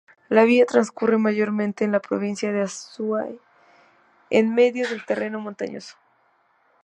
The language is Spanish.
La vía transcurre mayormente en la provincia de Azuay, en medio del terreno montañoso.